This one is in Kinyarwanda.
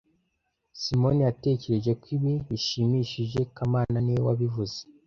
Simoni yatekereje ko ibi bishimishije kamana niwe wabivuze